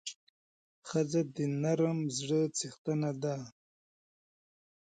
ښځه د نرم زړه څښتنه ده.